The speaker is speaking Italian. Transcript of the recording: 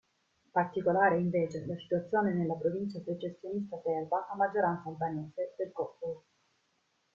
Particolare è invece la situazione nella provincia secessionista serba a maggioranza albanese del Kosovo.